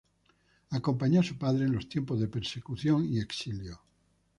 Acompañó a su padre en los tiempos de persecución y exilio.